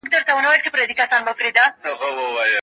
خصوصي روغتونونو عصري خدمات وړاندي کول.